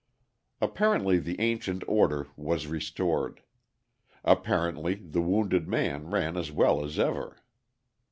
Apparently the ancient order was restored; apparently the wounded man ran as well as ever.